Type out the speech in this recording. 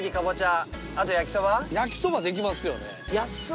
焼きそばできますよね？